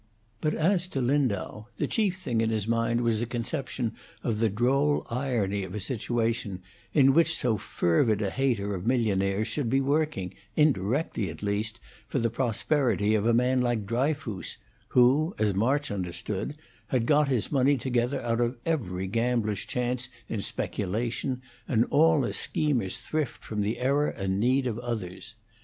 But as to Lindau, the chief thing in his mind was a conception of the droll irony of a situation in which so fervid a hater of millionaires should be working, indirectly at least, for the prosperity of a man like Dryfoos, who, as March understood, had got his money together out of every gambler's chance in speculation, and all a schemer's thrift from the error and need of others.